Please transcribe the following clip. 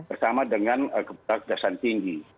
bersama dengan keputusan tinggi